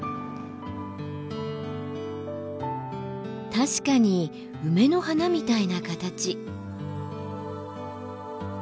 確かにウメの花みたいな形。